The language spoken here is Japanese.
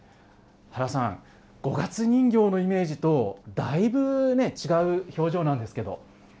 原さん、五月人形のイメージとだいぶ違う表情なんですけど。